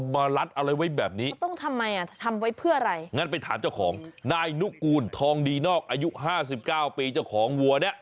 มารัดอะไรไว้แบบนี้งั้นไปถามเจ้าของนายนุกกูลทองดีนอกอายุ๕๙ปีเจ้าของวัวเนี่ย